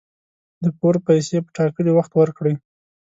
د پور پیسي په ټاکلي وخت ورکړئ